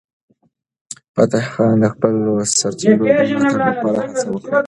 فتح خان د خپلو سرتیرو د ملاتړ لپاره هڅه وکړه.